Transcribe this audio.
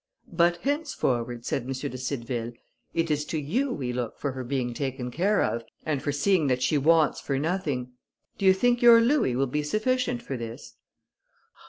"But henceforward," said M. de Cideville, "it is to you we look for her being taken care of, and for seeing that she wants for nothing: do you think your louis will be sufficient for this?"